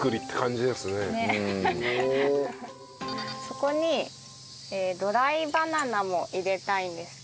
そこにドライバナナも入れたいんですけど。